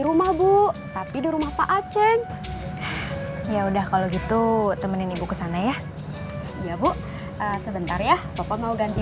rumah bu tapi di rumah pak aceh ya udah kalau gitu temenin ibu kesana ya iya bu sebentar ya